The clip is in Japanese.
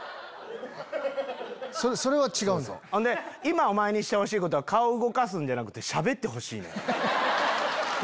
今お前にしてほしいことは顔動かすんじゃなくてしゃべってほしいねん。